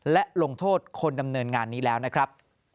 และลงโทษคนดำเนินงานนี้แล้วนะครับ